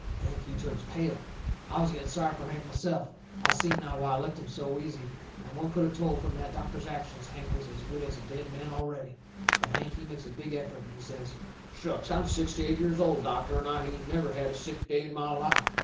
Hank, he turns pale. I was getting sorry fur Hank myself. I seen now why I licked him so easy. Any one could of told from that doctor's actions Hank was as good as a dead man already. But Hank, he makes a big effort, and he says: "Shucks! I'm sixty eight years old, doctor, and I hain't never had a sick day in my life."